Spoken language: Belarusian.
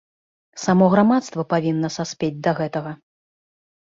Само грамадства павінна саспець да гэтага.